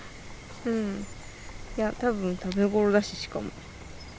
うんいや多分食べ頃だししかも。